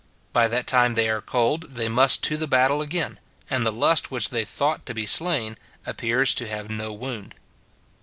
By that time they are cold, they must to the battle again ; and the lust which they thought to be slain appears to have no wound.